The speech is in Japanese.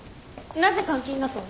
なぜ監禁だと？